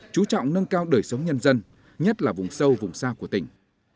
chú trọng nâng cao đời sống nhân dân nhất là vùng sâu vùng xa của tỉnh